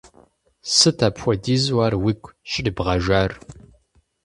Сыт апхуэдизу ар уигу щӀрибгъажэр?